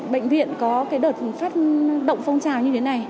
bệnh viện có đợt phát động phong trào như thế này